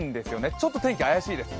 ちょっと天気、怪しいです。